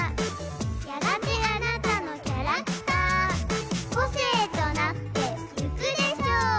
「やがてあなたのキャラクター」「個性となっていくでしょう！」